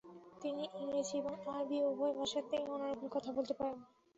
তিনি ইংরেজি এবং আরবী উভয় ভাষাতেই অনর্গল কথা বলতে পারতেন ।